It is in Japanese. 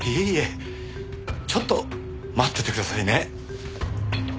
ちょっと待っててくださいね。